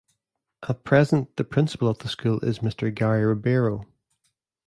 At present the Principal of the school is Mr Gary Ribeiro.